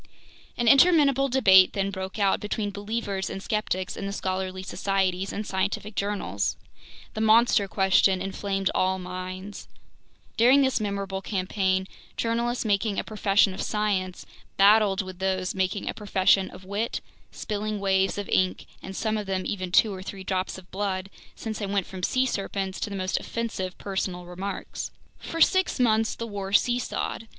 An interminable debate then broke out between believers and skeptics in the scholarly societies and scientific journals. The "monster question" inflamed all minds. During this memorable campaign, journalists making a profession of science battled with those making a profession of wit, spilling waves of ink and some of them even two or three drops of blood, since they went from sea serpents to the most offensive personal remarks. For six months the war seesawed.